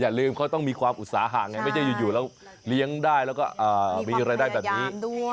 ลืมเขาต้องมีความอุตสาหะไงไม่ใช่อยู่แล้วเลี้ยงได้แล้วก็มีรายได้แบบนี้